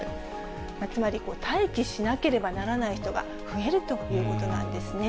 つまり、待機しなければならない人が増えるということなんですね。